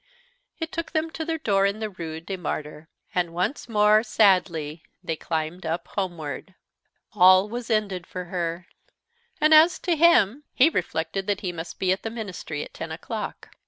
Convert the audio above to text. It took them to their door in the Rue des Martyrs, and once more, sadly, they climbed up homeward. All was ended for her. And as to him, he reflected that he must be at the Ministry at ten o'clock.